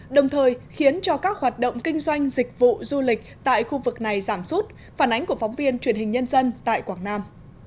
đồng thời khiến cho các hoạt động kinh doanh dịch vụ du lịch tại khu vực này giảm sút phản ánh của phóng viên truyền hình nhân dân tại quảng nam